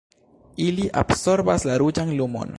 Ili absorbas la ruĝan lumon.